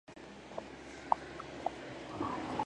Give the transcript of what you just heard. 録音するための音声